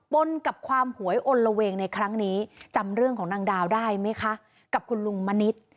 นกับความหวยอลละเวงในครั้งนี้จำเรื่องของนางดาวได้ไหมคะกับคุณลุงมณิษฐ์